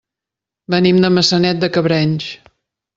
Venim de Maçanet de Cabrenys.